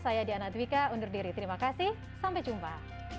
saya diana dwika undur diri terima kasih sampai jumpa